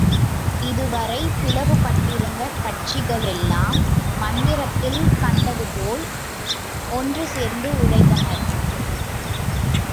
அதுவரை பிளவுபட்டிருந்த கட்சிகளெல்லாம் மந்திரத்தில் கட்டுண்டதுபோல் ஒன்று சேர்ந்து உழைத்தனர்.